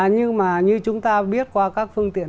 nhưng mà như chúng ta biết qua các phương tiện